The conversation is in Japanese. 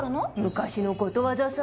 昔のことわざさ。